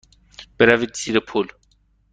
بروید زیر پل.